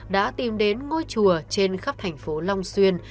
đã tìm đến ngôi chùa trên khắp thành phố long xuyên